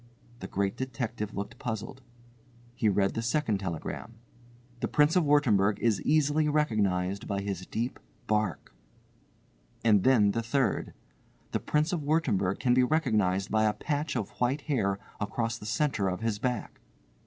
The Great Detective looked puzzled. He read the second telegram. "The Prince of Wurttemberg is easily recognised by his deep bark." And then the third. "The Prince of Wurttemberg can be recognised by a patch of white hair across the centre of his back."